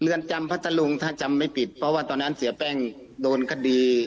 เรือนจำพระทันลุงจะจำไม่ปิดเพราะว่าเศียเป้งโดนคดี